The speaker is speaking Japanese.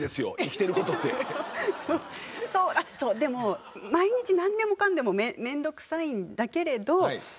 でも毎日何でもかんでもめんどくさいんだけれど確かに。